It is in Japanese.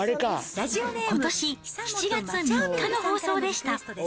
ことし７月３日の放送でした。